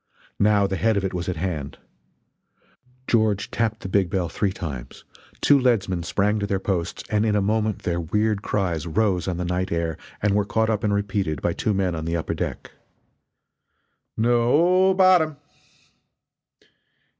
Now the head of it was at hand. George tapped the big bell three times, two leadsmen sprang to their posts, and in a moment their weird cries rose on the night air and were caught up and repeated by two men on the upper deck: "No o bottom!"